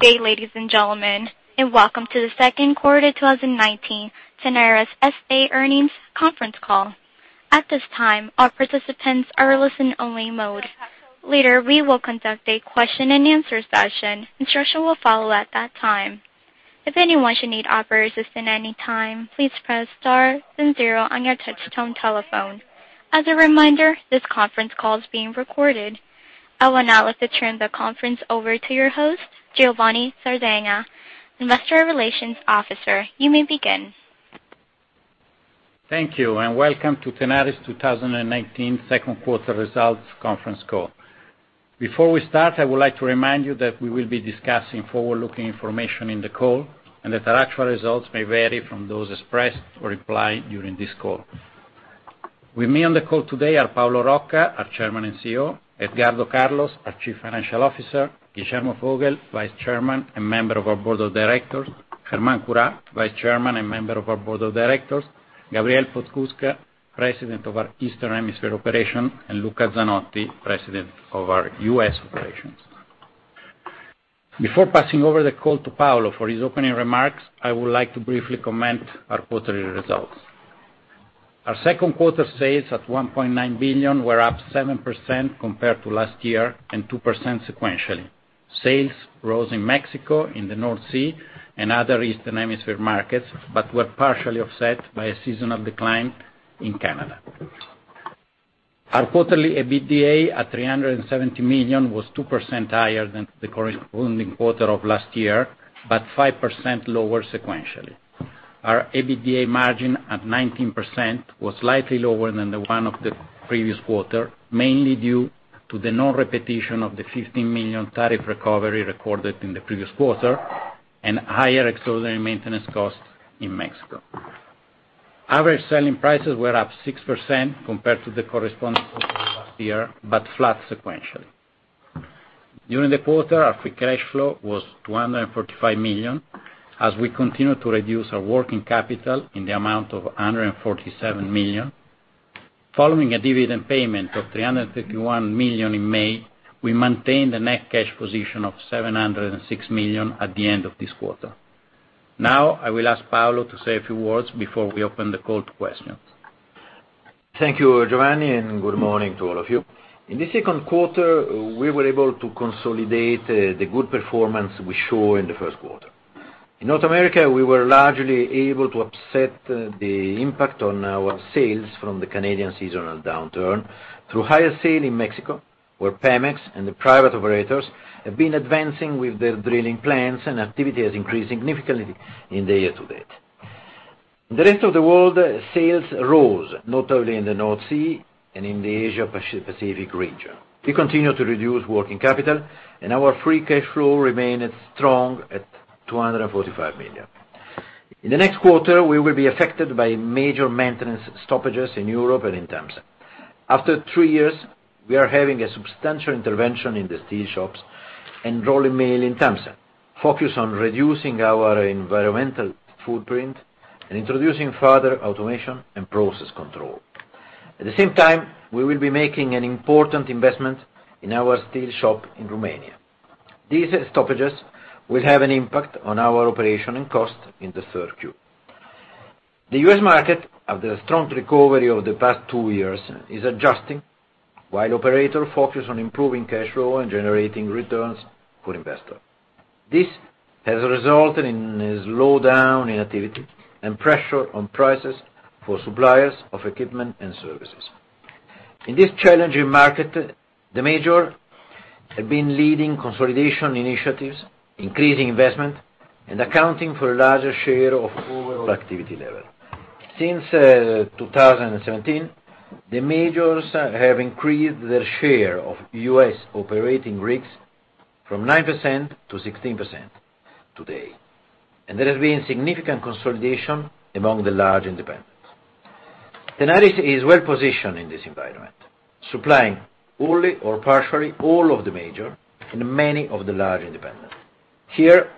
Good day, ladies and gentlemen, and welcome to the second quarter 2019 Tenaris S.A. earnings conference call. At this time, all participants are in listen only mode. Later, we will conduct a question and answer session. Instruction will follow at that time. If anyone should need operator assistance at any time, please press star then zero on your touchtone telephone. As a reminder, this conference call is being recorded. I will now like to turn the conference over to your host, Giovanni Sardagna, Investor Relations Officer. You may begin. Thank you. Welcome to Tenaris 2019 second quarter results conference call. Before we start, I would like to remind you that we will be discussing forward-looking information in the call, and that our actual results may vary from those expressed or implied during this call. With me on the call today are Paolo Rocca, our Chairman and Chief Executive Officer, Edgardo Carlos, our Chief Financial Officer, Guillermo Vogel, Vice Chairman and member of our Board of Directors, Germán Curá, Vice Chairman and member of our Board of Directors, Gabriel Podskubka, President of our Eastern Hemisphere Operations, and Luca Zanotti, President of our U.S. Operations. Before passing over the call to Paolo for his opening remarks, I would like to briefly comment our quarterly results. Our second quarter sales at $1.9 billion were up 7% compared to last year and 2% sequentially. Sales rose in Mexico, in the North Sea, and other Eastern Hemisphere markets, but were partially offset by a seasonal decline in Canada. Our quarterly EBITDA at $370 million was 2% higher than the corresponding quarter of last year, but 5% lower sequentially. Our EBITDA margin at 19% was slightly lower than the one of the previous quarter, mainly due to the non-repetition of the $15 million tariff recovery recorded in the previous quarter and higher extraordinary maintenance costs in Mexico. Average selling prices were up 6% compared to the corresponding quarter last year, but flat sequentially. During the quarter, our free cash flow was $245 million, as we continued to reduce our working capital in the amount of $147 million. Following a dividend payment of $351 million in May, we maintained a net cash position of $706 million at the end of this quarter. Now, I will ask Paolo to say a few words before we open the call to questions. Thank you, Giovanni. Good morning to all of you. In the second quarter, we were able to consolidate the good performance we show in the first quarter. In North America, we were largely able to offset the impact on our sales from the Canadian seasonal downturn through higher sale in Mexico, where Pemex and the private operators have been advancing with their drilling plans and activity has increased significantly in the year to date. In the rest of the world, sales rose, notably in the North Sea and in the Asia Pacific region. We continue to reduce working capital. Our free cash flow remained strong at $245 million. In the next quarter, we will be affected by major maintenance stoppages in Europe and in Tamsa. After three years, we are having a substantial intervention in the steel shops and rolling mill in Tamsa, focused on reducing our environmental footprint and introducing further automation and process control. At the same time, we will be making an important investment in our steel shop in Romania. These stoppages will have an impact on our operation and cost in the third Q. The U.S. market, after a strong recovery over the past two years, is adjusting while operator focus on improving cash flow and generating returns for investor. This has resulted in a slowdown in activity and pressure on prices for suppliers of equipment and services. In this challenging market, the major have been leading consolidation initiatives, increasing investment, and accounting for a larger share of overall activity level. Since 2017, the majors have increased their share of U.S. operating rigs from 9% to 16% today. There has been significant consolidation among the large independents. Tenaris is well positioned in this environment, supplying wholly or partially all of the major and many of the large independents. Here,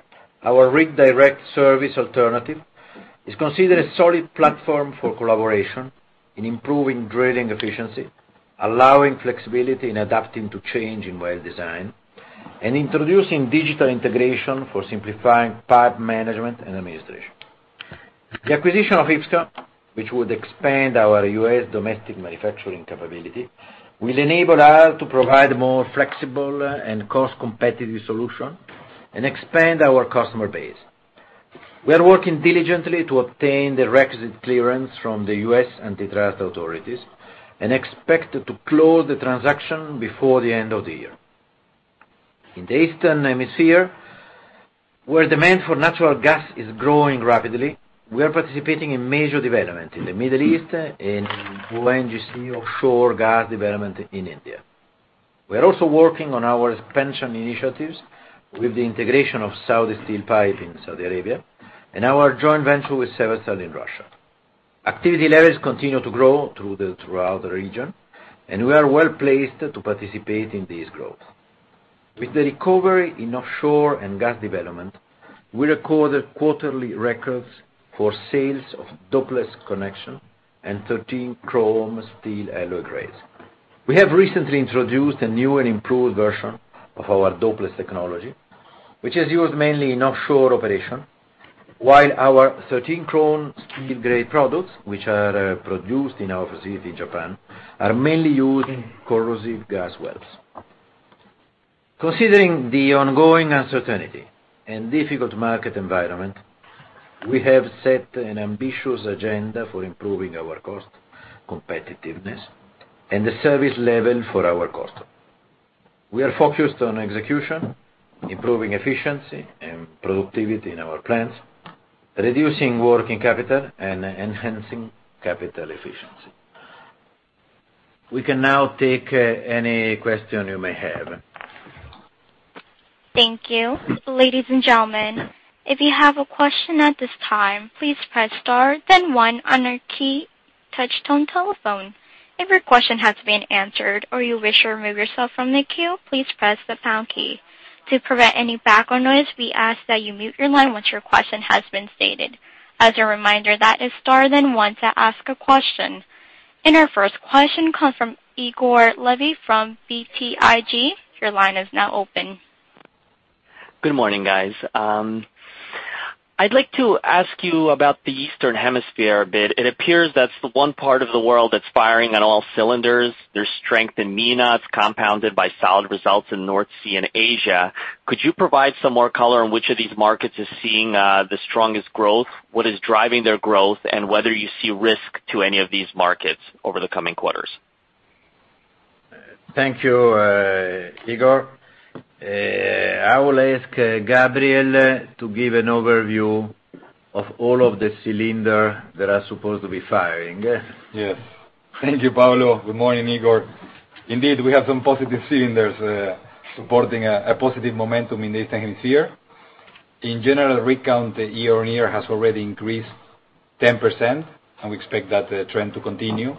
our Rig Direct service alternative is considered a solid platform for collaboration in improving drilling efficiency, allowing flexibility in adapting to change in well design, and introducing digital integration for simplifying pipe management and administration. The acquisition of IPSCO, which would expand our U.S. domestic manufacturing capability, will enable us to provide more flexible and cost-competitive solution and expand our customer base. We are working diligently to obtain the requisite clearance from the U.S. antitrust authorities and expect to close the transaction before the end of the year. In the Eastern Hemisphere, where demand for natural gas is growing rapidly, we are participating in major development in the Middle East and LNG offshore gas development in India. We are also working on our expansion initiatives with the integration of Saudi Steel Pipe in Saudi Arabia and our joint venture with Severstal in Russia. Activity levels continue to grow throughout the region. We are well placed to participate in this growth. With the recovery in offshore and gas development, we recorded quarterly records for sales of Dopeless connection and 13 chrome steel alloy grades. We have recently introduced a new and improved version of our Dopeless technology, which is used mainly in offshore operation, while our 13 chrome steel grade products, which are produced in our facility in Japan, are mainly used in corrosive gas wells. Considering the ongoing uncertainty and difficult market environment, we have set an ambitious agenda for improving our cost competitiveness and the service level for our customer. We are focused on execution, improving efficiency and productivity in our plants, reducing working capital, and enhancing capital efficiency. We can now take any question you may have. Thank you. Ladies and gentlemen, if you have a question at this time, please press star then one on your key touch-tone telephone. If your question has been answered or you wish to remove yourself from the queue, please press the pound key. To prevent any background noise, we ask that you mute your line once your question has been stated. As a reminder, that is star then one to ask a question. Our first question comes from Igor Levi from BTIG. Your line is now open. Good morning, guys. I'd like to ask you about the Eastern Hemisphere a bit. It appears that's the one part of the world that's firing on all cylinders. There's strength in MENA. It's compounded by solid results in North Sea and Asia. Could you provide some more color on which of these markets is seeing the strongest growth? What is driving their growth, and whether you see risk to any of these markets over the coming quarters? Thank you, Igor. I will ask Gabriel to give an overview of all of the cylinder that are supposed to be firing. Yes. Thank you, Paolo. Good morning, Igor. Indeed, we have some positive cylinders supporting a positive momentum in this hemisphere. In general, rig count year-on-year has already increased 10%, and we expect that trend to continue.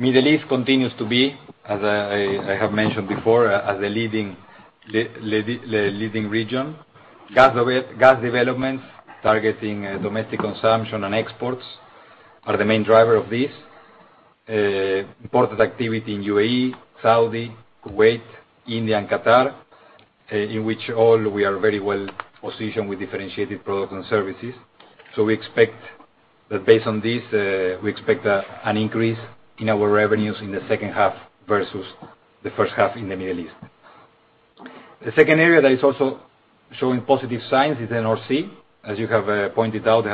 Middle East continues to be, as I have mentioned before, as the leading region. Gas developments targeting domestic consumption and exports are the main driver of this. Important activity in UAE, Saudi, Kuwait, India, and Qatar, in which all we are very well positioned with differentiated products and services. Based on this, we expect an increase in our revenues in the second half versus the first half in the Middle East. The second area that is also showing positive signs is the North Sea. As you have pointed out,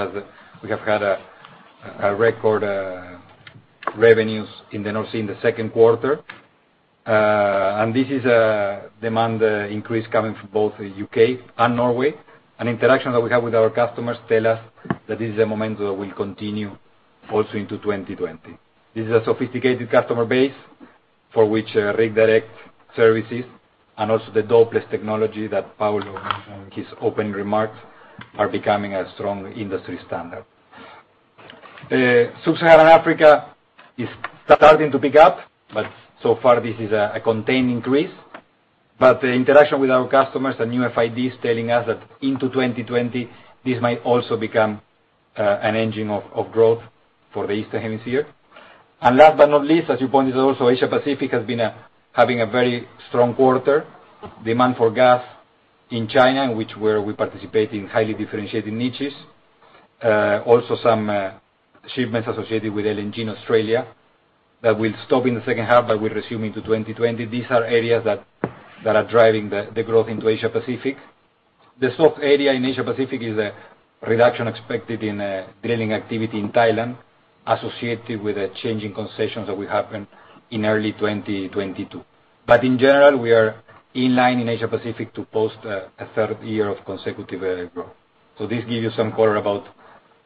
we have had a record revenues in the North Sea in the second quarter. This is a demand increase coming from both U.K. and Norway. Interactions that we have with our customers tell us that this is a momentum that will continue also into 2020. This is a sophisticated customer base for which Rig Direct services and also the Dopeless technology that Paolo mentioned in his opening remarks are becoming a strong industry standard. Sub-Saharan Africa is starting to pick up, but so far this is a contained increase. The interaction with our customers and new FIDs telling us that into 2020, this might also become an engine of growth for the Eastern Hemisphere. Last but not least, as you pointed out also, Asia Pacific has been having a very strong quarter. Demand for gas in China, in which we participate in highly differentiated niches. Some shipments associated with LNG in Australia that will stop in the second half but will resume into 2020. These are areas that are driving the growth into Asia Pacific. The soft area in Asia Pacific is a reduction expected in drilling activity in Thailand associated with a change in concessions that will happen in early 2022. In general, we are in line in Asia Pacific to post a third year of consecutive growth. This gives you some color about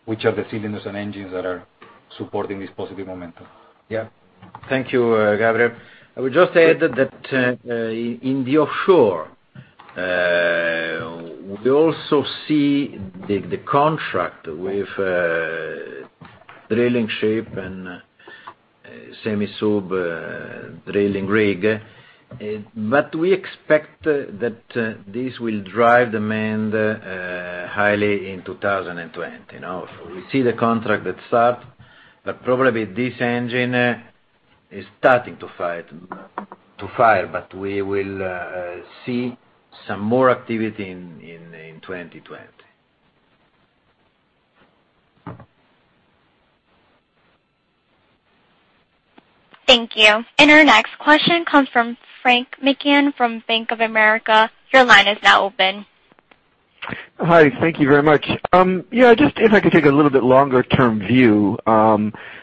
which are the cylinders and engines that are supporting this positive momentum. Yeah. Thank you, Gabriel. I would just add that in the offshore, we also see the contract with drilling ship and semi sub drilling rig. We expect that this will drive demand highly in 2020. We see the contract that start, but probably this engine is starting to fire, but we will see some more activity in 2020. Thank you. Our next question comes from Frank McGann from Bank of America. Your line is now open. Hi. Thank you very much. Yeah, just if I could take a little bit longer-term view. I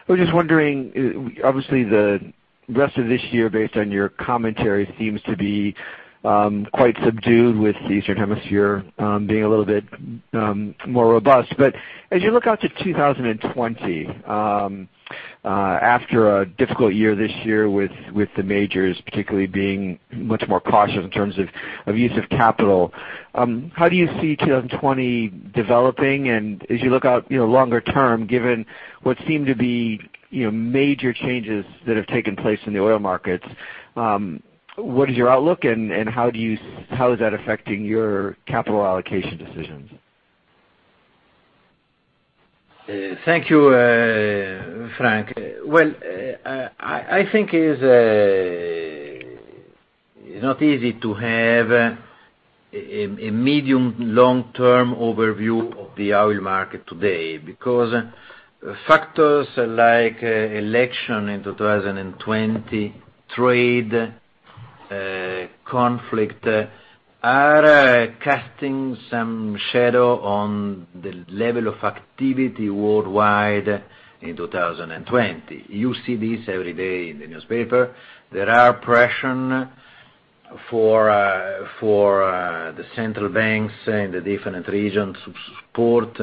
was just wondering, obviously the rest of this year, based on your commentary, seems to be quite subdued with the Eastern Hemisphere being a little bit more robust. As you look out to 2020, after a difficult year this year with the majors particularly being much more cautious in terms of use of capital, how do you see 2020 developing? As you look out longer term, given what seem to be major changes that have taken place in the oil markets, what is your outlook and how is that affecting your capital allocation decisions? Thank you, Frank. Well, I think it is not easy to have a medium to long-term overview of the oil market today, because factors like election in 2020, trade conflict, are casting some shadow on the level of activity worldwide in 2020. You see this every day in the newspaper. There are pressure for the central banks in the different regions to support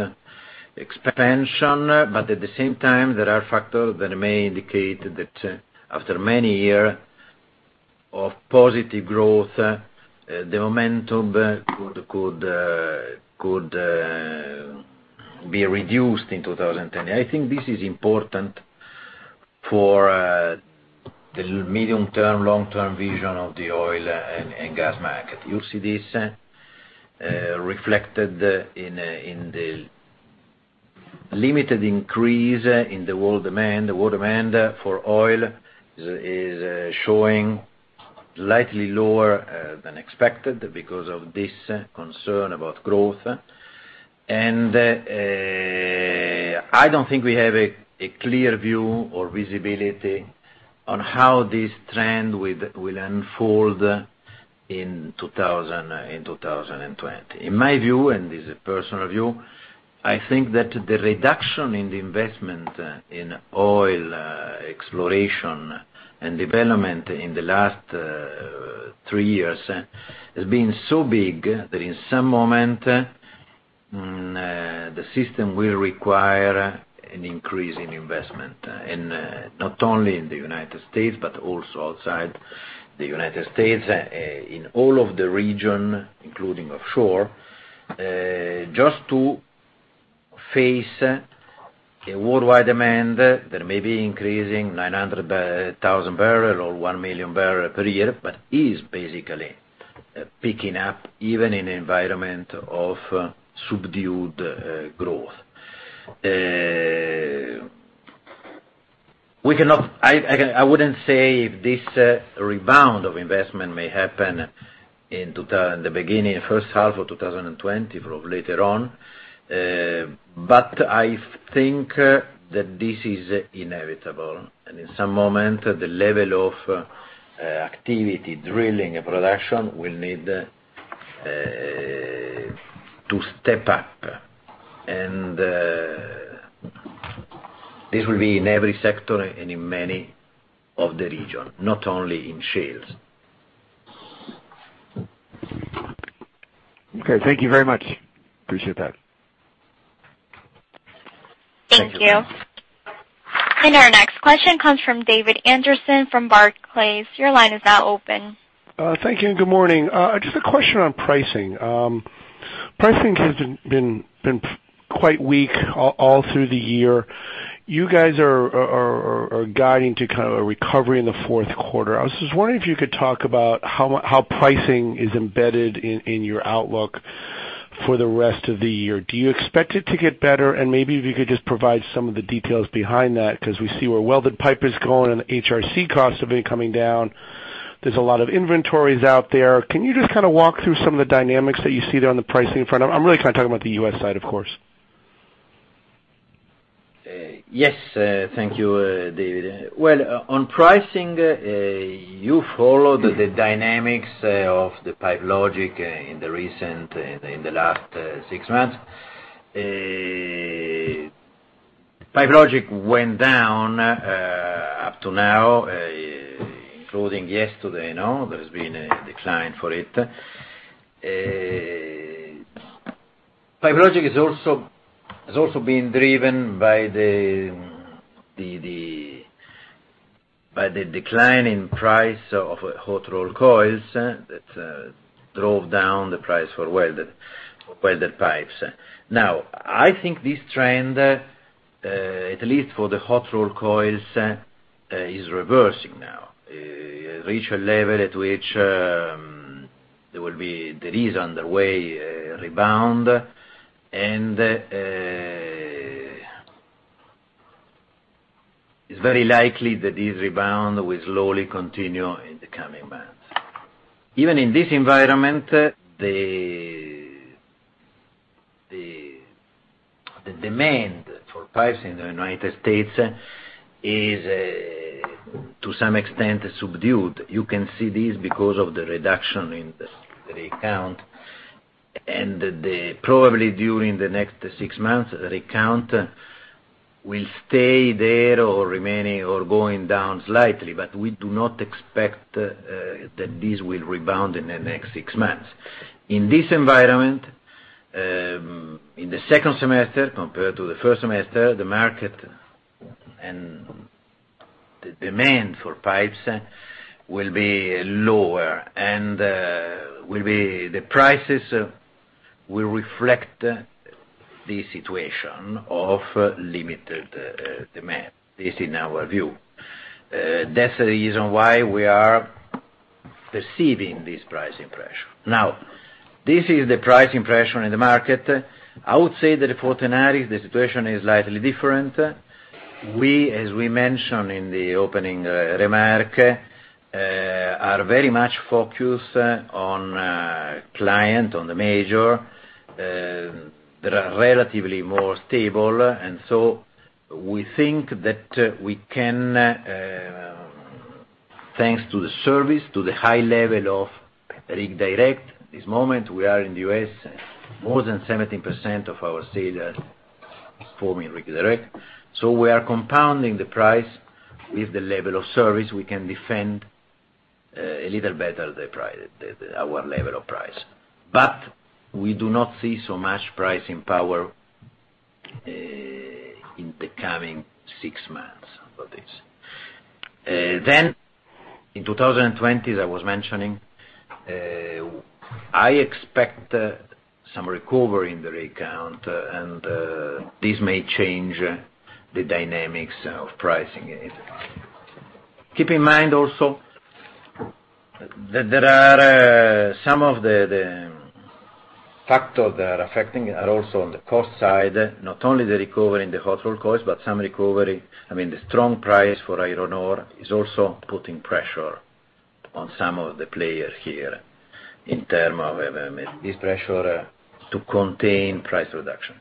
expansion. At the same time, there are factors that may indicate that after many year of positive growth, the momentum could be reduced in 2010. I think this is important for the medium-term, long-term vision of the oil and gas market. You see this reflected in the limited increase in the world demand. The world demand for oil is showing slightly lower than expected because of this concern about growth. I don't think we have a clear view or visibility on how this trend will unfold in 2020. In my view, and it's a personal view, I think that the reduction in the investment in oil exploration and development in the last three years has been so big that in some moment, the system will require an increase in investment. Not only in the U.S., but also outside the U.S., in all of the region, including offshore, just to face a worldwide demand that may be increasing 900,000 barrel or 1 million barrel per year, but is basically picking up even in an environment of subdued growth. I wouldn't say if this rebound of investment may happen in the beginning first half of 2020 or later on. I think that this is inevitable, and in some moment, the level of activity, drilling, and production will need to step up. This will be in every sector and in many of the region, not only in shales. Okay. Thank you very much. Appreciate that. Thank you. Thank you. Our next question comes from David Anderson from Barclays. Your line is now open. Thank you and good morning. Just a question on pricing. Pricing has been quite weak all through the year. You guys are guiding to a recovery in the fourth quarter. I was just wondering if you could talk about how pricing is embedded in your outlook for the rest of the year. Do you expect it to get better? Maybe if you could just provide some of the details behind that, because we see where welded pipe is going, HRC costs have been coming down. There's a lot of inventories out there. Can you just walk through some of the dynamics that you see there on the pricing front? I'm really talking about the U.S. side, of course. Yes. Thank you, David. Well, on pricing, you followed the dynamics of the Pipe Logix in the last six months. Pipe Logix went down, up to now, including yesterday. There has been a decline for it. Pipe Logix has also been driven by the decline in price of hot-rolled coils that drove down the price for welded pipes. Now, I think this trend, at least for the hot-rolled coils, is reversing now. It reached a level at which there is underway a rebound, and it's very likely that this rebound will slowly continue in the coming months. Even in this environment, the demand for pipes in the United States is to some extent subdued. You can see this because of the reduction in the recount, and probably during the next six months, the recount will stay there or remaining or going down slightly. We do not expect that this will rebound in the next six months. In this environment, in the second semester compared to the first semester, the market and the demand for pipes will be lower, and the prices will reflect the situation of limited demand, this in our view. That's the reason why we are perceiving this pricing pressure. This is the pricing pressure in the market. I would say that for Tenaris, the situation is slightly different. We, as we mentioned in the opening remark, are very much focused on client, on the major, that are relatively more stable, and so we think that we can, thanks to the service, to the high level of Rig Direct. This moment, we are in the U.S., more than 17% of our sales is forming Rig Direct. We are compounding the price with the level of service. We can defend a little better our level of price. We do not see so much pricing power in the coming six months of this. In 2020, as I was mentioning, I expect some recovery in the rig count, and this may change the dynamics of pricing. Keep in mind also that there are some of the factors that are affecting are also on the cost side, not only the recovery in the hot-rolled costs, but some recovery, I mean, the strong price for iron ore is also putting pressure on some of the players here in terms of this pressure to contain price reduction.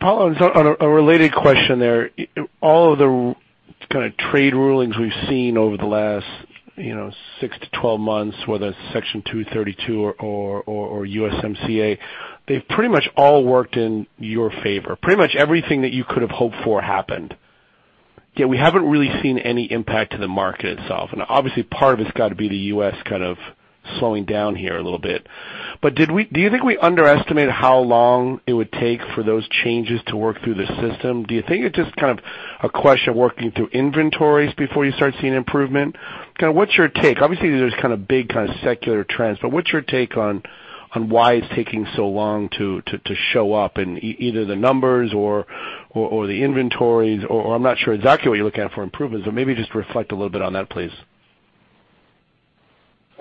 Paolo, on a related question there, all of the kind of trade rulings we've seen over the last 6 to 12 months, whether it's Section 232 or USMCA, they've pretty much all worked in your favor. Pretty much everything that you could have hoped for happened. Obviously, part of it's got to be the U.S. kind of slowing down here a little bit. Do you think we underestimate how long it would take for those changes to work through the system? Do you think it's just kind of a question of working through inventories before you start seeing improvement? Kind of what's your take? Obviously, there's kind of big kind of secular trends, but what's your take on why it's taking so long to show up in either the numbers or the inventories or I'm not sure exactly what you're looking at for improvements, but maybe just reflect a little bit on that, please?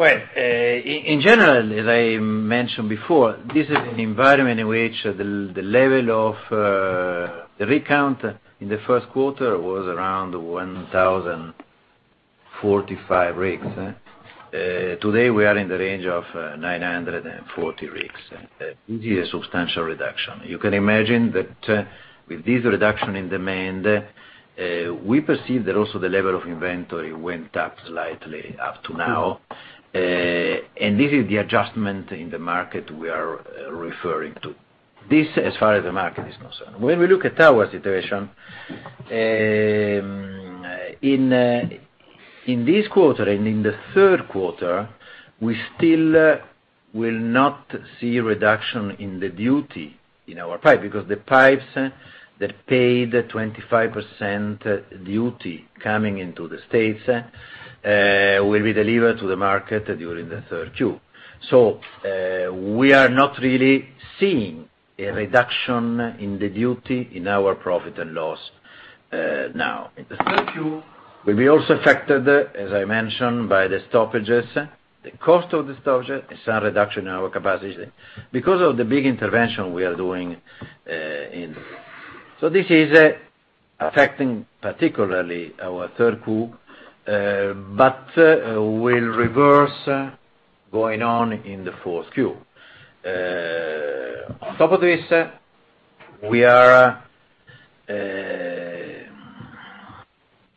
Well, in general, as I mentioned before, this is an environment in which the level of the rig count in the first quarter was around 1,045 rigs. Today, we are in the range of 940 rigs. This is a substantial reduction. You can imagine that with this reduction in demand, we perceive that also the level of inventory went up slightly up to now, and this is the adjustment in the market we are referring to. This as far as the market is concerned. When we look at our situation, in this quarter and in the third quarter, we still will not see a reduction in the duty in our pipe, because the pipes that pay the 25% duty coming into the States, will be delivered to the market during the third Q. We are not really seeing a reduction in the duty in our profit and loss now. In the third Q, we'll be also affected, as I mentioned, by the stoppages. The cost of the stoppage is a reduction in our capacity because of the big intervention we are doing. This is affecting particularly our third Q, but will reverse going on in the fourth Q. On top of this, we are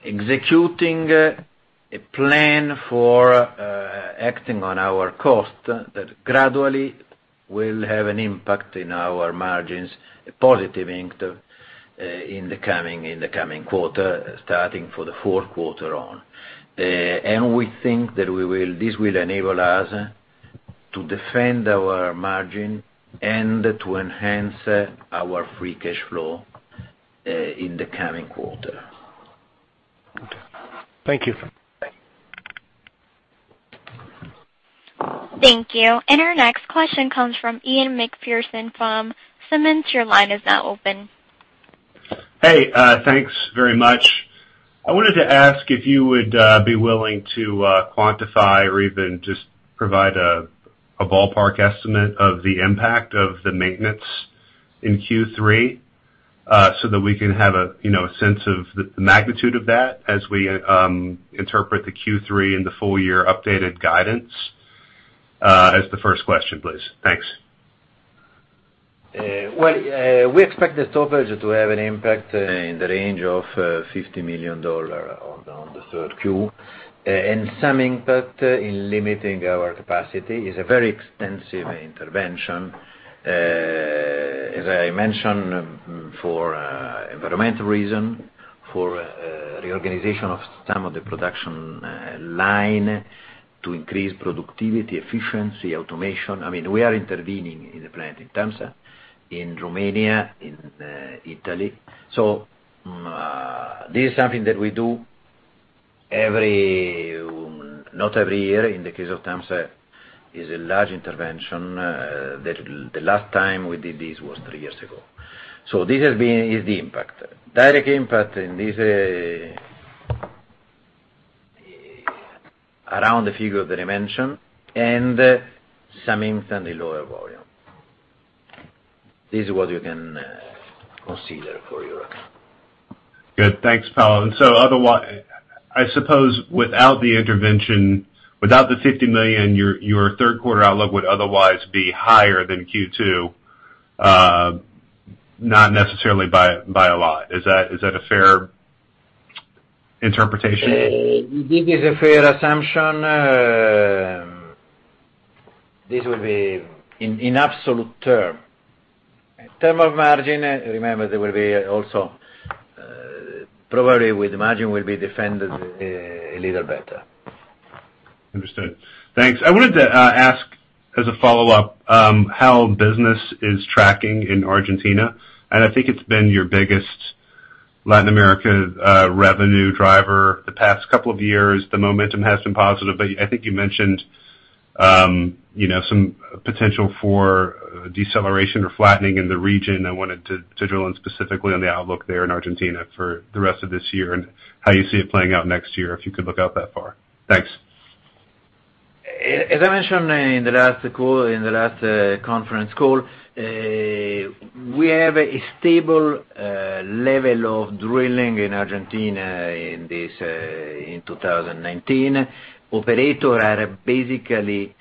executing a plan for acting on our cost that gradually will have an impact in our margins, a positive impact, in the coming quarter, starting for the fourth quarter on. We think that this will enable us to defend our margin and to enhance our free cash flow, in the coming quarter. Okay. Thank you. Okay. Thank you. Our next question comes from Ian Macpherson from Simmons. Your line is now open. Hey, thanks very much. I wanted to ask if you would be willing to quantify or even just provide a ballpark estimate of the impact of the maintenance in Q3, so that we can have a sense of the magnitude of that as we interpret the Q3 and the full-year updated guidance, as the first question, please. Thanks. Well, we expect the stoppage to have an impact in the range of $50 million on the third Q. Some impact in limiting our capacity. It is a very extensive intervention. As I mentioned, for environmental reason, for reorganization of some of the production line to increase productivity, efficiency, automation. We are intervening in the plant in Tulsa, in Romania, in Italy. This is something that we do every year. In the case of Tamsa, it's a large intervention. The last time we did this was three years ago. This is the impact. Direct impact in this around the figure that I mentioned, and some instantly lower volume. This is what you can consider for your account. Good. Thanks, Paolo. I suppose without the intervention, without the $50 million, your third quarter outlook would otherwise be higher than Q2, not necessarily by a lot. Is that a fair interpretation? This is a fair assumption. This will be in absolute term. In term of margin, remember, there will be also, probably with margin will be defended a little better. Understood. Thanks. I wanted to ask as a follow-up, how business is tracking in Argentina. I think it's been your biggest Latin America revenue driver the past couple of years. The momentum has been positive. I think you mentioned some potential for deceleration or flattening in the region. I wanted to drill in specifically on the outlook there in Argentina for the rest of this year, how you see it playing out next year, if you could look out that far. Thanks. As I mentioned in the last conference call, we have a stable level of drilling in Argentina in 2019. Operator are basically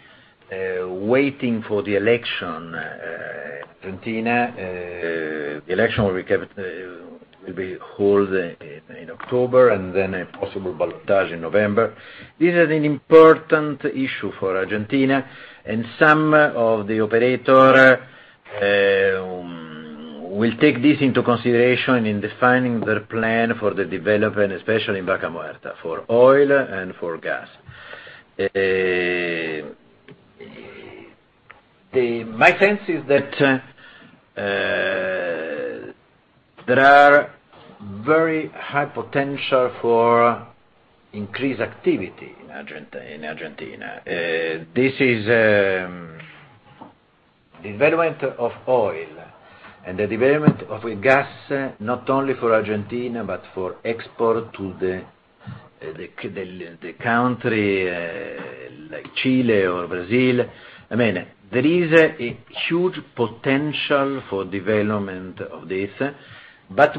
waiting for the election in Argentina. The election will be held in October and then a possible ballotage in November. This is an important issue for Argentina, and some of the operator will take this into consideration in defining their plan for the development, especially in Vaca Muerta, for oil and for gas. My sense is that there are very high potential for increased activity in Argentina. This is development of oil and the development of gas, not only for Argentina, but for export to the country like Chile or Brazil. There is a huge potential for development of this.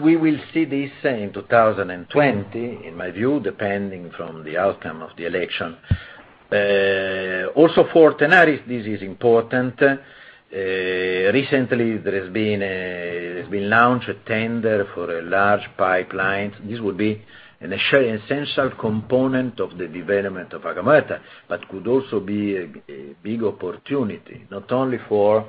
We will see this in 2020, in my view, depending from the outcome of the election. Also for Tenaris, this is important. Recently, there has been launched a tender for a large pipeline. This would be an essential component of the development of Vaca Muerta, but could also be a big opportunity, not only for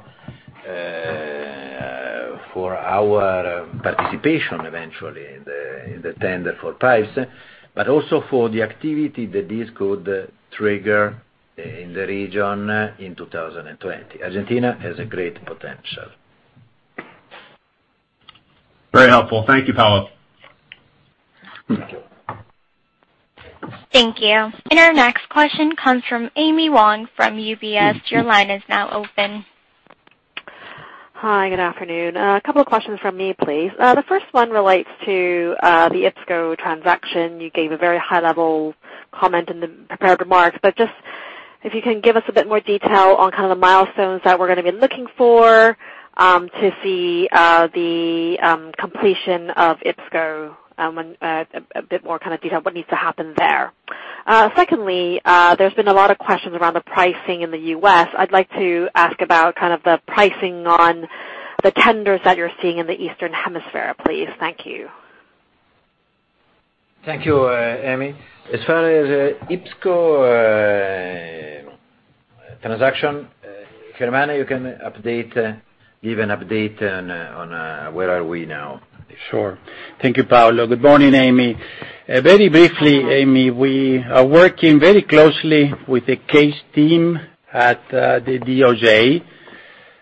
our participation eventually in the tender for pipes, but also for the activity that this could trigger in the region in 2020. Argentina has a great potential. Very helpful. Thank you, Paolo. Thank you. Thank you. Our next question comes from Amy Wong from UBS. Your line is now open. Hi, good afternoon. A couple of questions from me, please. The first one relates to the IPSCO transaction. You gave a very high-level comment in the prepared remarks, but just if you can give us a bit more detail on kind of the milestones that we're going to be looking for to see the completion of IPSCO, a bit more kind of detail what needs to happen there. Secondly, there's been a lot of questions around the pricing in the U.S. I'd like to ask about kind of the pricing on the tenders that you're seeing in the Eastern Hemisphere, please. Thank you. Thank you, Amy. As far as IPSCO transaction, Germán, you can give an update on where are we now? Sure. Thank you, Paolo. Good morning, Amy. Very briefly, Amy, we are working very closely with the case team at the DOJ.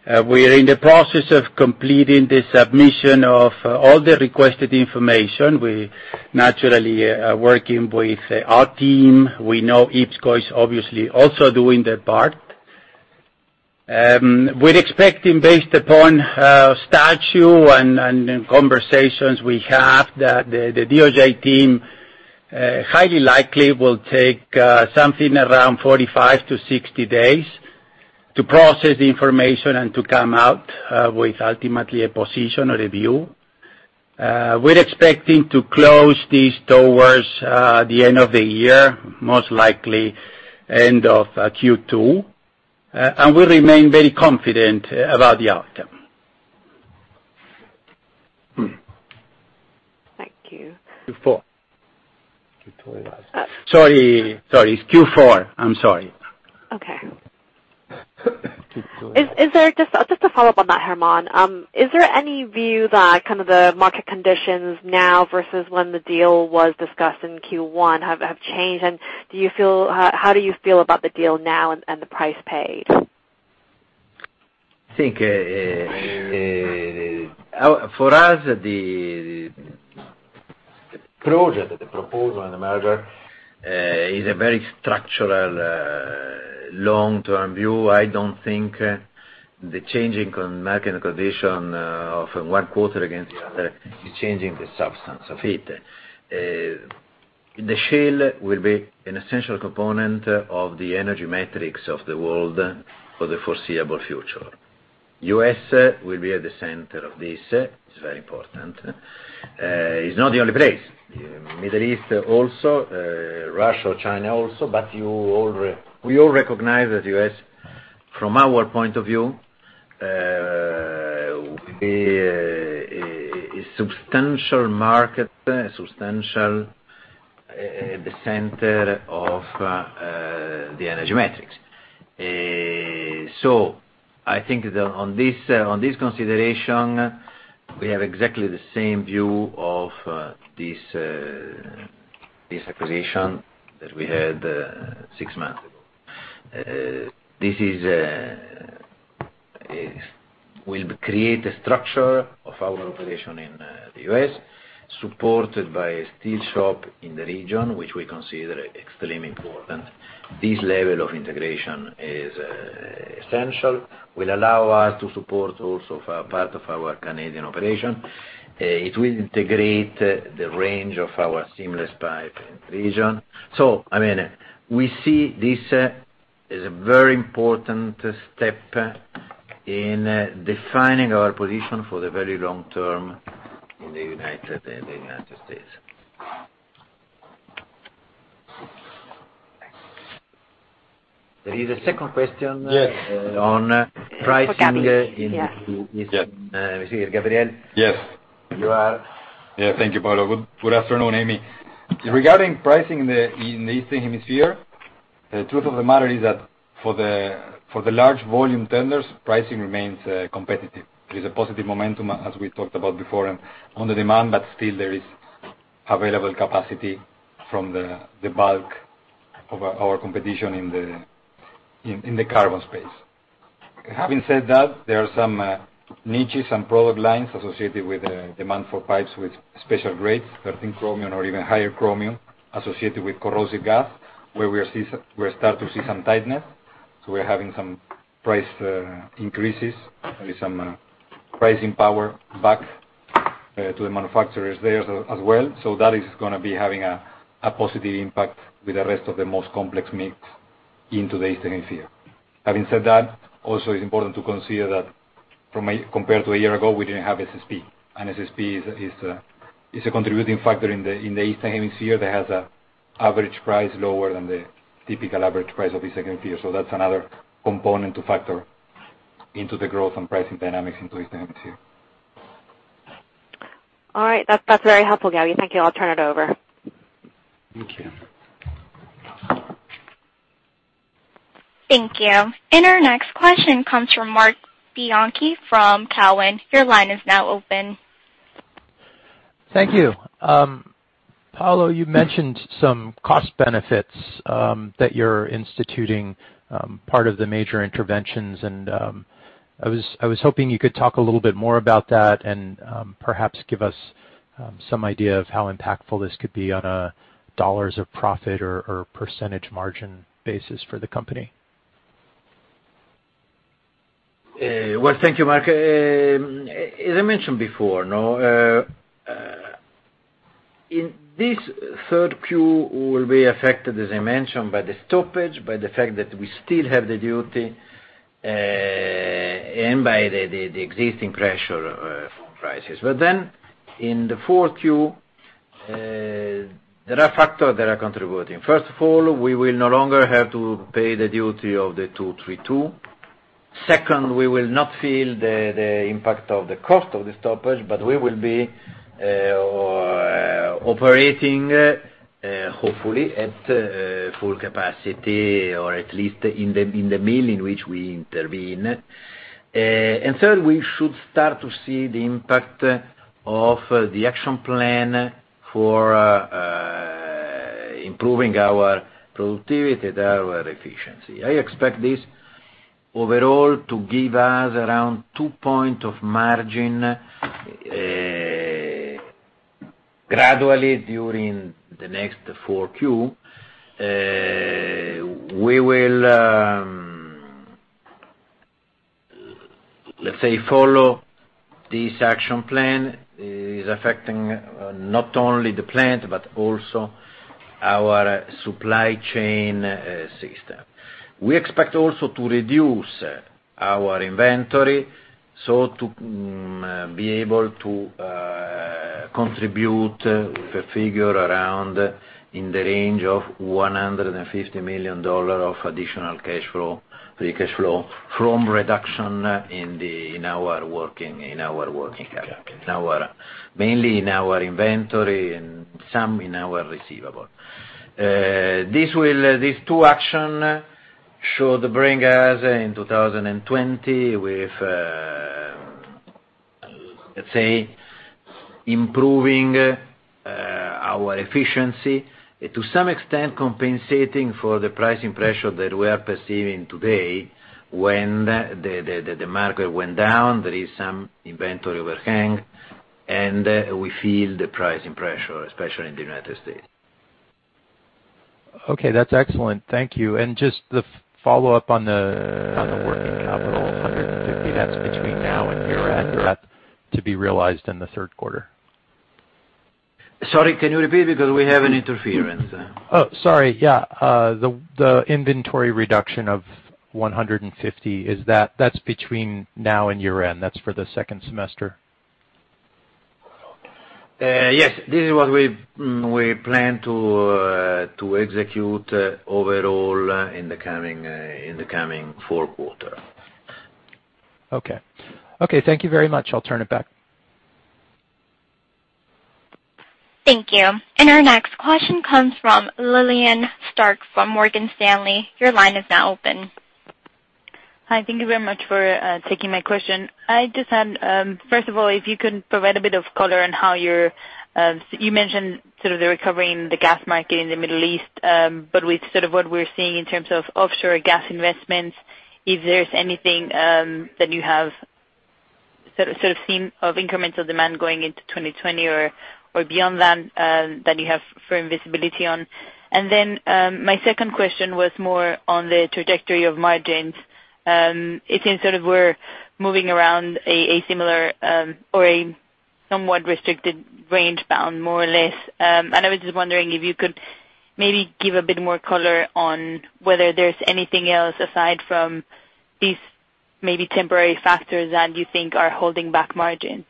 We are in the process of completing the submission of all the requested information. We naturally are working with our team. We know IPSCO is obviously also doing their part. We're expecting, based upon statute and conversations we have, that the DOJ team highly likely will take something around 45-60 days to process the information and to come out with ultimately a position or review. We're expecting to close this towards the end of the year, most likely end of Q2. We remain very confident about the outcome. Thank you. Q4. Sorry, it's Q4. I'm sorry. Okay. Just to follow up on that, Germán, is there any view that kind of the market conditions now versus when the deal was discussed in Q1 have changed? How do you feel about the deal now and the price paid? I think for us, the project, the proposal, and the merger is a very structural, long-term view. I don't think the changing market condition of one quarter against the other is changing the substance of it. The shale will be an essential component of the energy metrics of the world for the foreseeable future. U.S. will be at the center of this. It's very important. It's not the only place. Middle East also, Russia or China also, but we all recognize that U.S., from our point of view, will be a substantial market, a substantial center of the energy metrics. I think that on this consideration, we have exactly the same view of this acquisition that we had six months ago. This will create a structure of our operation in the U.S., supported by a steel shop in the region, which we consider extremely important. This level of integration is essential. It will allow us to support also part of our Canadian operation. It will integrate the range of our seamless pipe in-region. We see this as a very important step in defining our position for the very long term in the United States. There is a second question. Yes. On pricing in the Eastern Hemisphere. Gabriel? Yes. You are. Yeah, thank you, Paolo. Good afternoon, Amy. Regarding pricing in the Eastern Hemisphere, the truth of the matter is that for the large volume tenders, pricing remains competitive. There is a positive momentum, as we talked about before, on the demand, but still there is available capacity from the bulk of our competition in the carbon space. Having said that, there are some niches and product lines associated with the demand for pipes with special grades, 13 chromium or even higher chromium, associated with corrosive gas, where we are start to see some tightness. We're having some price increases. There is some pricing power back to the manufacturers there as well. That is going to be having a positive impact with the rest of the most complex mix in today's Eastern Hemisphere. Having said that, also it's important to consider that compared to a year ago, we didn't have TenarisSaudiSteelPipes, and TenarisSaudiSteelPipes is a contributing factor in the Eastern Hemisphere that has an average price lower than the typical average price of Eastern Hemisphere. That's another component to factor into the growth and pricing dynamics into Eastern Hemisphere. All right. That's very helpful, Gabby. Thank you. I'll turn it over. Thank you. Thank you. Our next question comes from Marc Bianchi from Cowen. Your line is now open. Thank you. Paolo, you mentioned some cost benefits that you're instituting, part of the major interventions, and I was hoping you could talk a little bit more about that and perhaps give us some idea of how impactful this could be on a dollars of profit or % margin basis for the company. Thank you, Marc. As I mentioned before, this third Q will be affected, as I mentioned, by the stoppage, by the fact that we still have the duty, and by the existing pressure from prices. In the fourth Q, there are factors that are contributing. First of all, we will no longer have to pay the duty of the 232. Second, we will not feel the impact of the cost of the stoppage, but we will be operating, hopefully, at full capacity, or at least in the mill in which we intervene. Third, we should start to see the impact of the action plan for improving our productivity and our efficiency. I expect this overall to give us around two points of margin gradually during the next four Q. We will, let's say, follow this action plan. It is affecting not only the plant, but also our supply chain system. We expect also to reduce our inventory, to be able to contribute a figure around in the range of $150 million of additional free cash flow from reduction in our working capital. Mainly in our inventory and some in our receivable. These two actions should bring us in 2020 with, let's say, improving our efficiency, to some extent, compensating for the pricing pressure that we are perceiving today when the market went down. There is some inventory overhang, and we feel the pricing pressure, especially in the U.S. Okay, that's excellent. Thank you. Just the follow-up on the working capital, $150, that's between now and year-end or that to be realized in the third quarter? Sorry, can you repeat because we have an interference? Oh, sorry. Yeah. The inventory reduction of $150, that's between now and year-end. That's for the second semester? Yes. This is what we plan to execute overall in the coming fourth quarter. Okay. Thank you very much. I'll turn it back. Thank you. Our next question comes from Lillian Starke from Morgan Stanley. Your line is now open. Hi. Thank you very much for taking my question. If you can provide a bit of color, you mentioned the recovery in the gas market in the Middle East, but with what we're seeing in terms of offshore gas investments, if there's anything that you have seen of incremental demand going into 2020 or beyond that you have firm visibility on. My second question was more on the trajectory of margins. It seems we're moving around a similar, or a somewhat restricted range bound. I was just wondering if you could maybe give a bit more color on whether there's anything else aside from these maybe temporary factors that you think are holding back margins.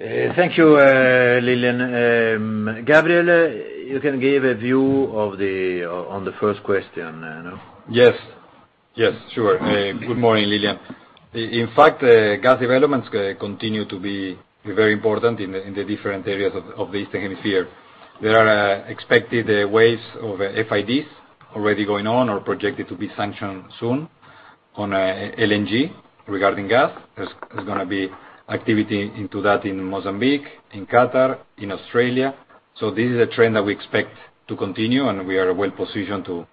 Thank you, Lillian. Gabriel, you can give a view on the first question, no? Yes. Sure. Good morning, Lillian. In fact, gas developments continue to be very important in the different areas of the Eastern Hemisphere. There are expected waves of FIDs already going on or projected to be sanctioned soon on LNG regarding gas. There's going to be activity into that in Mozambique, in Qatar, in Australia. This is a trend that we expect to continue, and we are well positioned to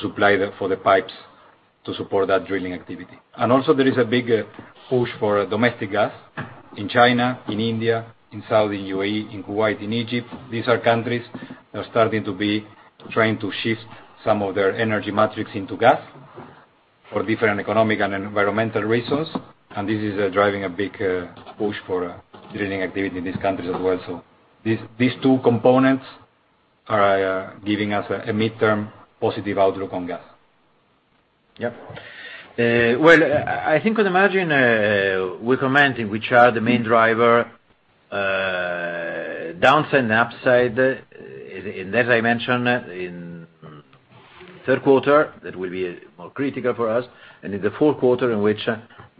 supply for the pipes to support that drilling activity. Also there is a big push for domestic gas in China, in India, in Saudi, UAE, in Kuwait, in Egypt. These are countries that are starting to be trying to shift some of their energy metrics into gas for different economic and environmental reasons. This is driving a big push for drilling activity in these countries as well. These two components are giving us a midterm positive outlook on gas. Yep. Well, I think on the margin, we're commenting which are the main driver, downside and upside. As I mentioned, in third quarter, that will be more critical for us. In the fourth quarter, in which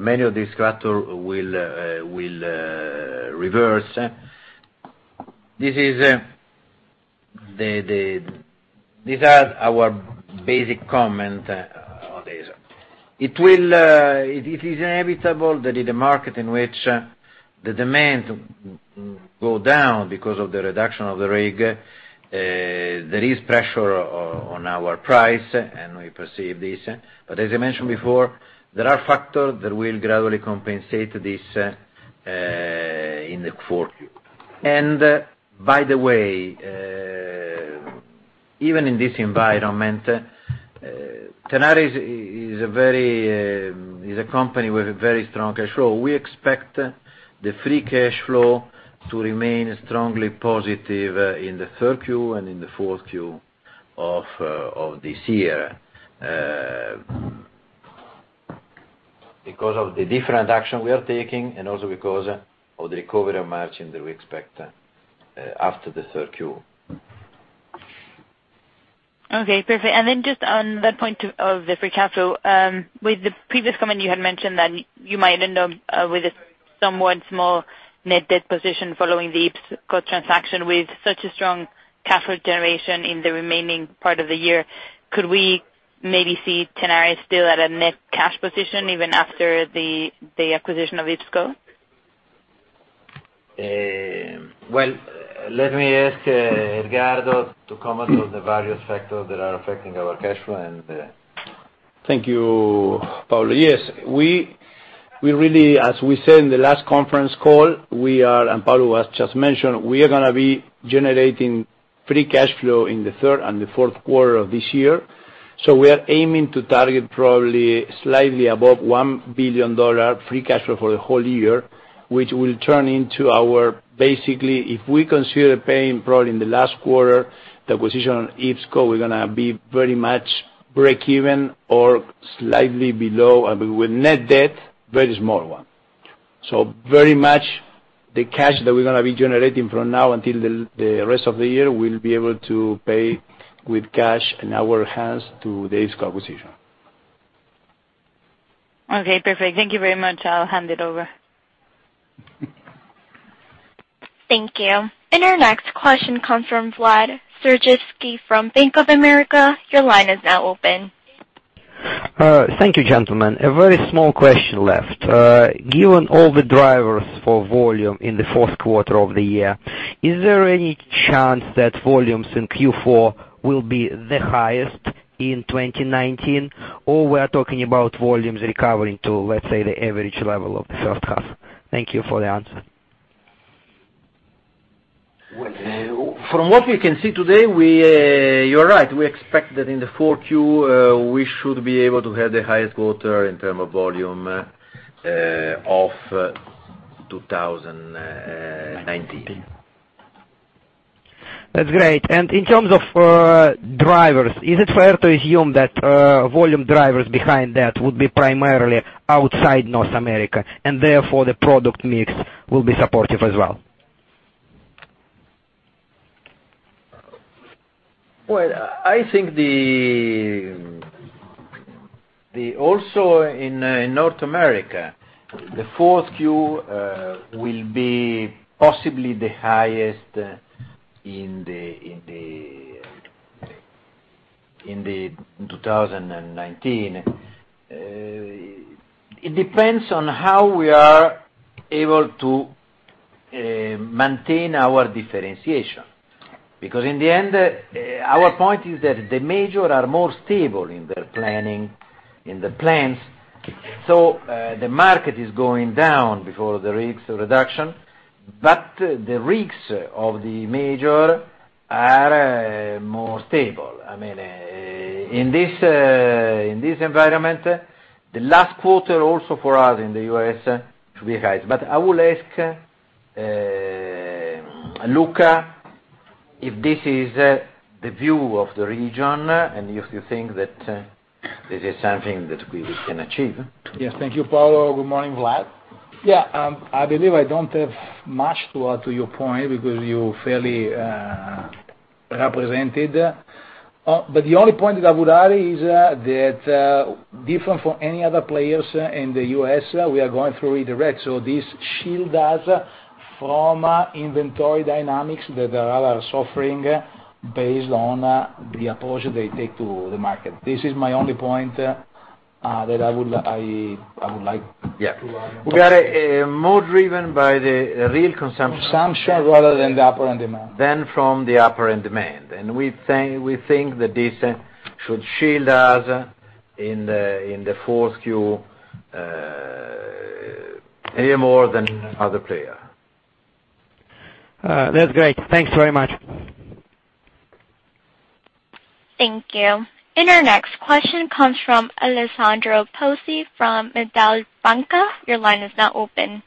many of these factors will reverse. These are our basic comment on this. It is inevitable that in the market in which the demand go down because of the reduction of the rig, there is pressure on our price, we perceive this. As I mentioned before, there are factors that will gradually compensate this in the fourth Q. By the way, even in this environment, Tenaris is a company with a very strong cash flow. We expect the free cash flow to remain strongly positive in the third Q and in the fourth Q of this year because of the different action we are taking and also because of the recovery margin that we expect after the third Q. Okay, perfect. Just on that point of the free cash flow, with the previous comment you had mentioned that you might end up with a somewhat small net debt position following the IPSCO transaction. With such a strong cash flow generation in the remaining part of the year, could we maybe see Tenaris still at a net cash position even after the acquisition of IPSCO? Well, let me ask Edgardo to comment on the various factors that are affecting our cash flow and. Thank you, Paolo. Yes, we really, as we said in the last conference call, we are, and Paolo has just mentioned, we are going to be generating free cash flow in the third and the fourth quarter of this year. We are aiming to target probably slightly above $1 billion free cash flow for the whole year, which will turn into our, basically, if we consider paying probably in the last quarter, the acquisition on IPSCO, we're going to be very much breakeven or slightly below, and with net debt, very small one. Very much the cash that we're going to be generating from now until the rest of the year, we'll be able to pay with cash in our hands to the IPSCO acquisition. Okay, perfect. Thank you very much. I'll hand it over. Thank you. Our next question comes from Vladimir Stojkovski from Bank of America. Your line is now open. Thank you, gentlemen. A very small question left. Given all the drivers for volume in the fourth quarter of the year, is there any chance that volumes in Q4 will be the highest in 2019, or we are talking about volumes recovering to, let's say, the average level of the first half? Thank you for the answer. Well, from what we can see today, you're right. We expect that in the 4Q, we should be able to have the highest quarter in terms of volume of 2019. That's great. In terms of drivers, is it fair to assume that volume drivers behind that would be primarily outside North America, and therefore, the product mix will be supportive as well? I think also in North America, the 4Q will be possibly the highest in 2019. It depends on how we are able to maintain our differentiation. In the end, our point is that the major are more stable in their planning, in the plans. The market is going down before the rigs reduction. The rigs of the major are more stable. In this environment, the last quarter also for us in the U.S. should be highest. I will ask Luca if this is the view of the region and if you think that this is something that we can achieve. Yes. Thank you, Paolo. Good morning, Vlad. Yeah. I believe I don't have much to add to your point because you fairly represented. The only point that I would add is that, different from any other players in the U.S., we are going through Rig Direct, so this shield us from inventory dynamics that are suffering based on the approach they take to the market. This is my only point that I would like to add. Yeah. We are more driven by the real consumption. Consumption rather than the upper end demand. Than from the upper end demand. We think that this should shield us in the 4Q more than other player. That's great. Thanks very much. Thank you. Our next question comes from Alessandro Pozzi from Mediobanca. Your line is now open.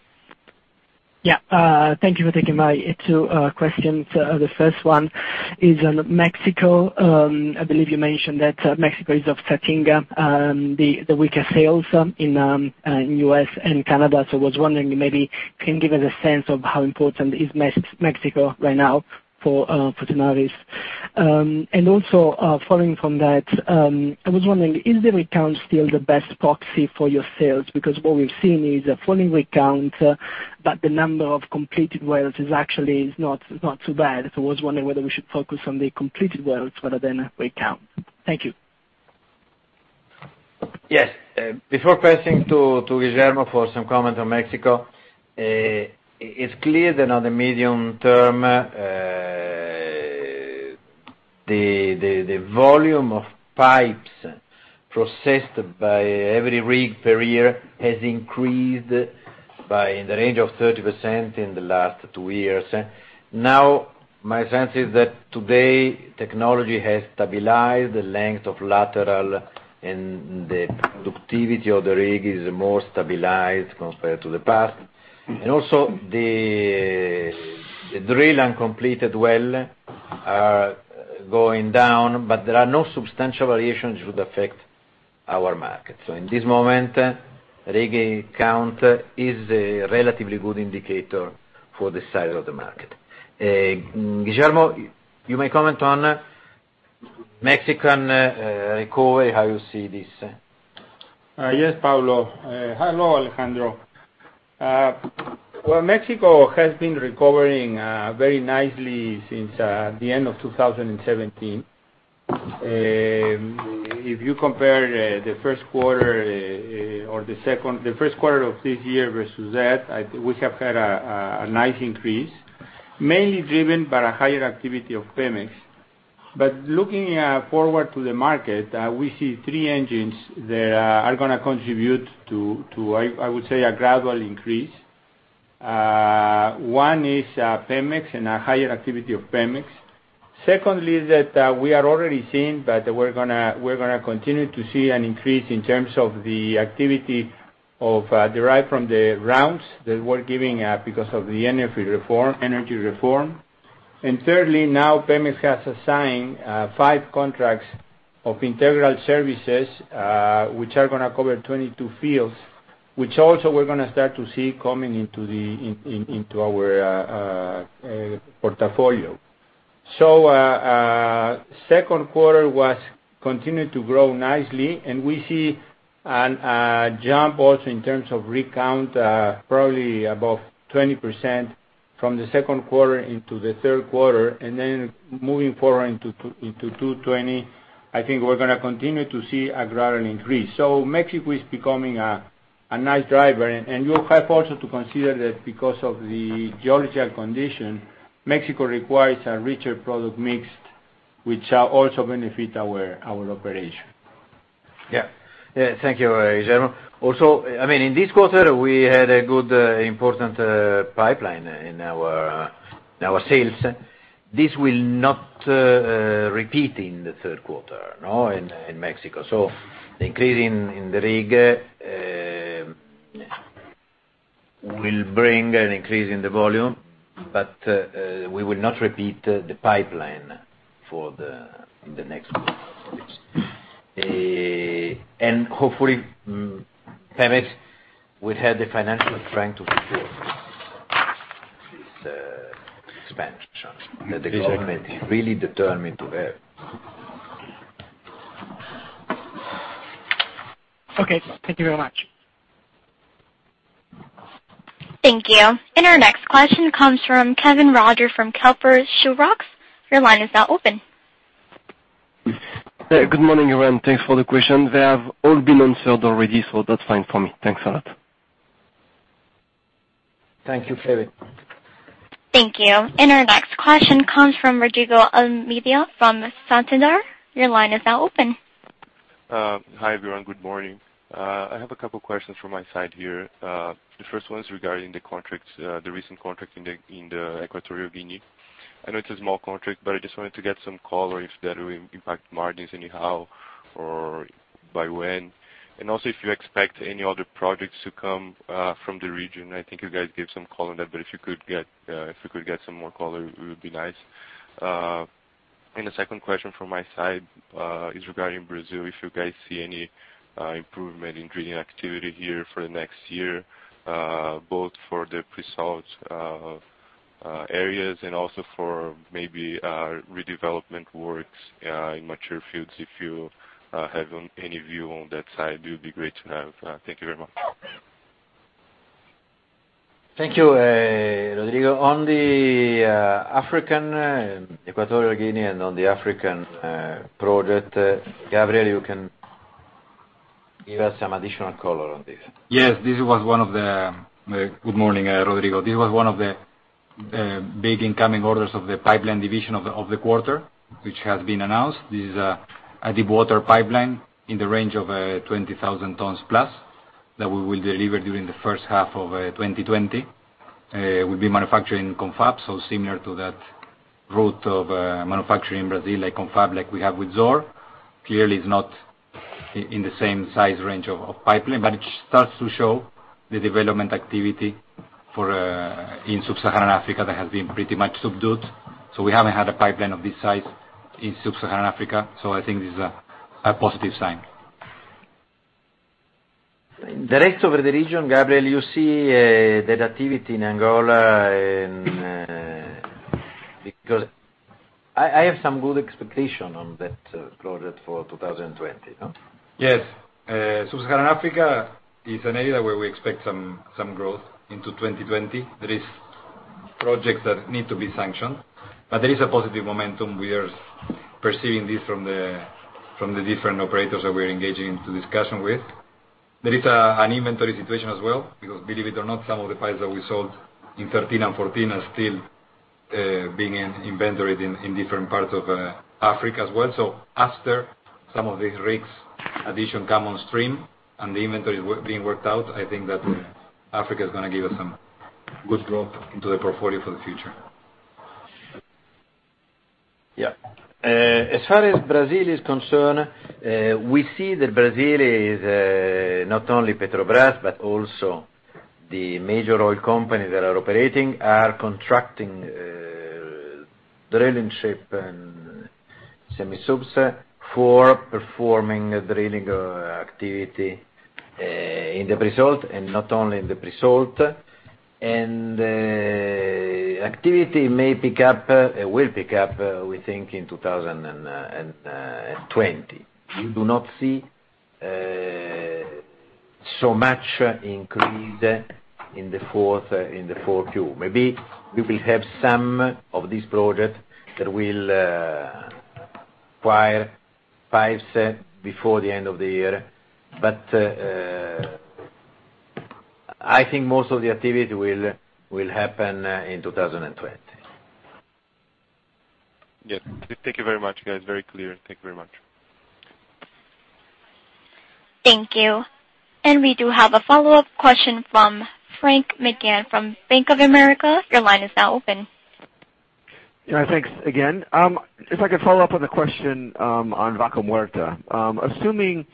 Thank you for taking my two questions. The first one is on Mexico. I believe you mentioned that Mexico is offsetting the weaker sales in U.S. and Canada. I was wondering, maybe can you give us a sense of how important is Mexico right now for Tenaris? Also, following from that, I was wondering, is the rig count still the best proxy for your sales? What we've seen is a falling rig count, but the number of completed wells is actually not too bad. I was wondering whether we should focus on the completed wells rather than rig count. Thank you. Yes. Before passing to Guillermo for some comment on Mexico. It's clear that on the medium term, the volume of pipes processed by every rig per year has increased by in the range of 30% in the last two years. My sense is that today, technology has stabilized the length of lateral, and the productivity of the rig is more stabilized compared to the past. Also, the drill uncompleted well are going down, but there are no substantial variations which would affect our market. In this moment, rig count is a relatively good indicator for the size of the market. Guillermo, you may comment on Mexican recovery, how you see this. Yes, Paolo. Hello, Alessandro. Well, Mexico has been recovering very nicely since the end of 2017. If you compare the first quarter of this year versus that, we have had a nice increase, mainly driven by a higher activity of Pemex. Looking forward to the market, we see three engines that are going to contribute to, I would say, a gradual increase. One is Pemex and a higher activity of Pemex. Secondly, is that we are already seeing that we're going to continue to see an increase in terms of the activity derived from the rounds that we're giving because of the energy reform. Thirdly, now Pemex has assigned five contracts of integral services, which are going to cover 22 fields, which also we're going to start to see coming into our portfolio. Second quarter continued to grow nicely, and we see a jump also in terms of rig count, probably above 20% from the second quarter into the third quarter. Moving forward into 2020, I think we're going to continue to see a gradual increase. Mexico is becoming a nice driver. You have also to consider that because of the geological condition, Mexico requires a richer product mix, which also benefit our operation. Thank you, Guillermo. Also, in this quarter, we had a good, important pipeline in our sales. This will not repeat in the third quarter in Mexico. The increase in the rig will bring an increase in the volume, but we will not repeat the pipeline for the next quarter. Hopefully, Pemex will have the financial strength to support this expansion. Exactly. The government is really determined to have. Okay. Thank you very much. Thank you. Our next question comes from Kevin Roger from Kepler Cheuvreux. Your line is now open. Good morning, everyone. Thanks for the question. They have all been answered already, so that's fine for me. Thanks a lot. Thank you, Kevin. Thank you. Our next question comes from Rodrigo Almeida from Santander. Your line is now open. Hi, everyone. Good morning. I have a couple questions from my side here. The first one is regarding the recent contract in the Equatorial Guinea. I know it's a small contract. I just wanted to get some color if that will impact margins anyhow or by when. Also, if you expect any other projects to come from the region. I think you guys gave some color on that. If we could get some more color, it would be nice. The second question from my side is regarding Brazil. If you guys see any improvement in drilling activity here for the next year, both for the pre-salt areas and also for maybe redevelopment works in mature fields. If you have any view on that side, it would be great to have. Thank you very much. Thank you, Rodrigo. On the Equatorial Guinea and on the African project, Gabriel, you can give us some additional color on this. Yes. Good morning, Rodrigo. This was one of the big incoming orders of the pipeline division of the quarter, which has been announced. This is a deep water pipeline in the range of 20,000 tons plus that we will deliver during the first half of 2020. We'll be manufacturing in Confab. Similar to that route of manufacturing Brazil, like Confab, like we have with Zohr. Clearly, it's not in the same size range of pipeline, but it starts to show the development activity in Sub-Saharan Africa that has been pretty much subdued. We haven't had a pipeline of this size in Sub-Saharan Africa. I think this is a positive sign. The rest of the region, Gabriel, you see that activity in Angola, because I have some good expectation on that project for 2020, no? Yes. Sub-Saharan Africa is an area where we expect some growth into 2020. There is projects that need to be sanctioned. There is a positive momentum. We are perceiving this from the different operators that we are engaging into discussion with. There is an inventory situation as well, because believe it or not, some of the pipes that we sold in 2013 and 2014 are still being inventoried in different parts of Africa as well. After some of these rigs addition come on stream and the inventory is being worked out, I think that Africa is going to give us some good growth into the portfolio for the future. Yeah. As far as Brazil is concerned, we see that Brazil is not only Petrobras, but also the major oil companies that are operating are contracting drilling ship and semi-subs for performing drilling activity in the pre-salt and not only in the pre-salt. Activity will pick up, we think, in 2020. We do not see so much increase in the fourth Q. Maybe we will have some of these projects that will require pipes before the end of the year. I think most of the activity will happen in 2020. Yes. Thank you very much, guys. Very clear. Thank you very much. Thank you. We do have a follow-up question from Frank McGann from Bank of America. Your line is now open. Yeah, thanks again. If I could follow up on the question on Vaca Muerta. Assuming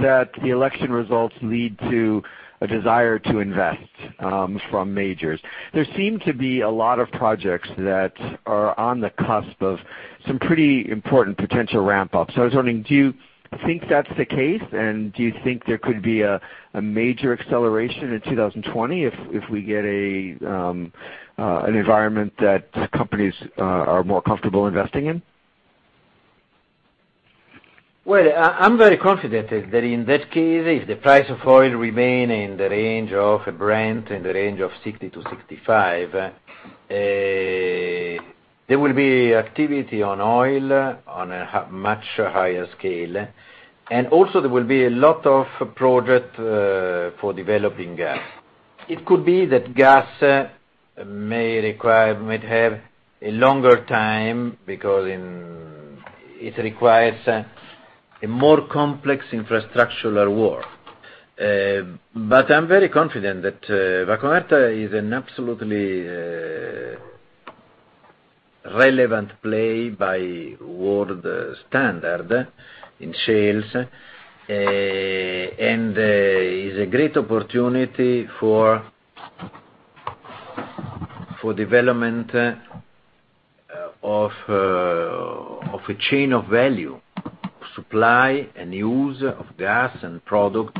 that the election results lead to a desire to invest from majors, there seem to be a lot of projects that are on the cusp of some pretty important potential ramp up. I was wondering, do you think that's the case? Do you think there could be a major acceleration in 2020 if we get an environment that companies are more comfortable investing in? Well, I'm very confident that in that case, if the price of oil remain in the range of Brent, in the range of $60-$65, there will be activity on oil on a much higher scale. Also there will be a lot of project for developing gas. It could be that gas might have a longer time, because it requires a more complex infrastructural work. I'm very confident that Vaca Muerta is an absolutely relevant play by world standard in sales, and is a great opportunity for development of a chain of value, supply, and use of gas and product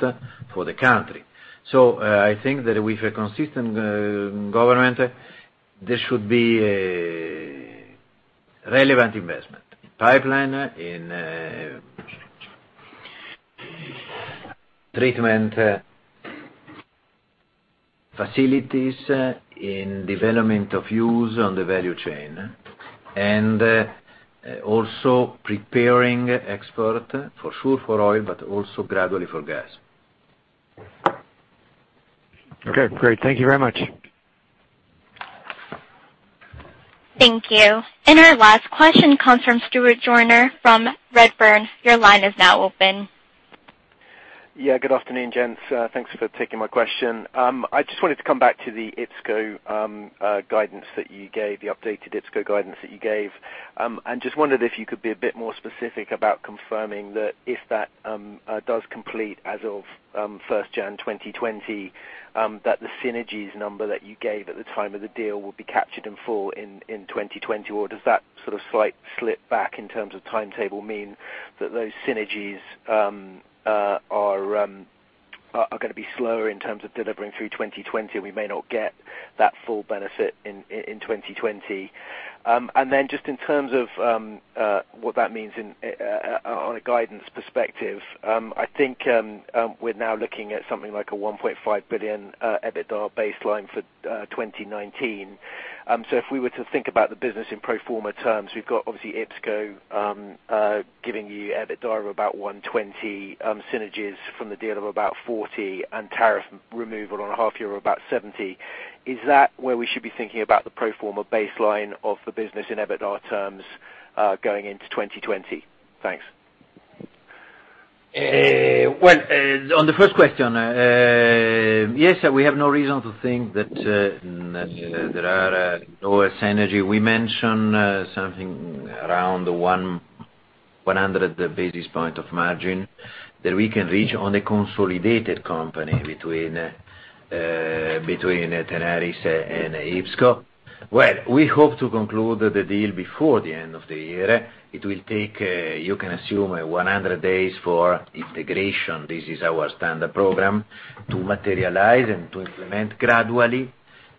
for the country. I think that with a consistent government, there should be a relevant investment in pipeline, in treatment facilities, in development of use on the value chain. Also preparing export for sure for oil, but also gradually for gas. Okay, great. Thank you very much. Thank you. Our last question comes from Stuart Joyner from Redburn. Your line is now open. Yeah, good afternoon, gents. Thanks for taking my question. I just wanted to come back to the IPSCO guidance that you gave, the updated IPSCO guidance that you gave. Just wondered if you could be a bit more specific about confirming that if that does complete as of 1st January 2020, that the synergies number that you gave at the time of the deal will be captured in full in 2020, or does that sort of slight slip back in terms of timetable mean that those synergies are going to be slower in terms of delivering through 2020, we may not get that full benefit in 2020? Just in terms of what that means on a guidance perspective, I think we're now looking at something like a $1.5 billion EBITDA baseline for 2019. If we were to think about the business in pro forma terms, we've got obviously IPSCO giving you EBITDA of about $120 million, synergies from the deal of about $40 million, and tariff removal on a half year of about $70 million. Is that where we should be thinking about the pro forma baseline of the business in EBITDA terms, going into 2020? Thanks. Well, on the first question, yes, we have no reason to think that there are no synergy. We mentioned something around 100 basis points of margin that we can reach on the consolidated company between Tenaris and IPSCO. Well, we hope to conclude the deal before the end of the year. It will take, you can assume, 100 days for integration. This is our standard program to materialize and to implement gradually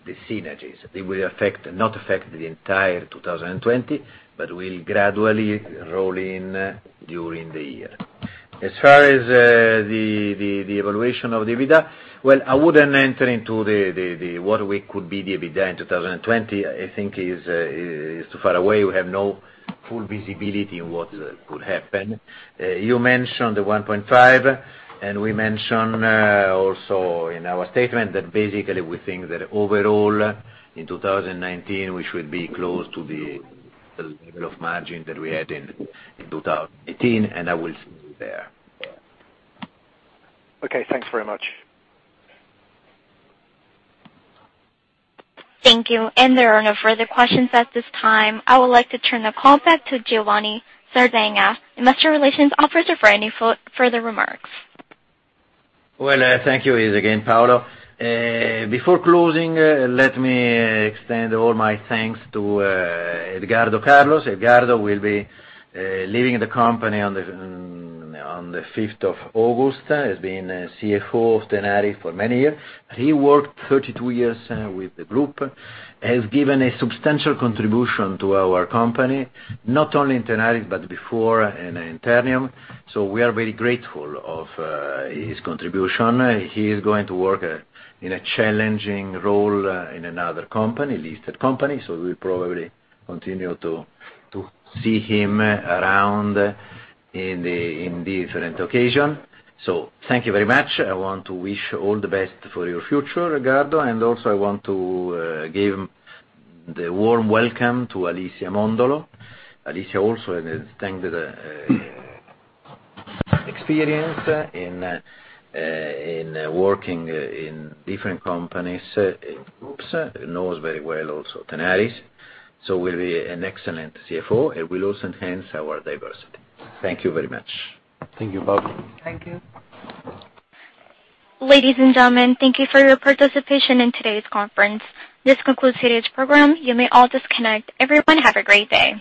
the synergies. They will not affect the entire 2020, but will gradually roll in during the year. As far as the evaluation of the EBITDA, well, I wouldn't enter into what we could be the EBITDA in 2020. I think it is too far away. We have no full visibility on what could happen. You mentioned the 1.5, and we mentioned also in our statement that basically we think that overall in 2019, we should be close to the level of margin that we had in 2018, and I will stay there. Okay, thanks very much. Thank you. There are no further questions at this time. I would like to turn the call back to Giovanni Sardagna, Investor Relations Officer, for any further remarks. Well, thank you. It is again Paolo. Before closing, let me extend all my thanks to Edgardo Carlos. Edgardo will be leaving the company on the 5th of August. He's been CFO of Tenaris for many years. He worked 32 years with the group, has given a substantial contribution to our company, not only in Tenaris, but before in Ternium. We are very grateful of his contribution. He is going to work in a challenging role in another company, listed company, we'll probably continue to see him around in different occasion. Thank you very much. I want to wish all the best for your future, Edgardo, and also I want to give the warm welcome to Alicia Mondolo. Alicia also has extended experience in working in different companies, groups, knows very well also Tenaris. Will be an excellent CFO, and will also enhance our diversity. Thank you very much. Thank you, Paolo. Thank you. Ladies and gentlemen, thank you for your participation in today's conference. This concludes today's program. You may all disconnect. Everyone, have a great day.